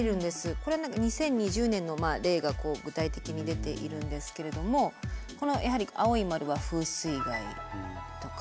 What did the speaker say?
これなんか２０２０年の例が具体的に出ているんですけれどもこのやはり青い丸は風水害とか。